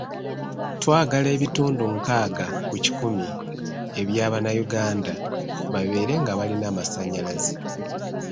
Twagala ebitundu nkaaga ku kikumi ebya bannayuganda babeere nga balina amasannyalaze.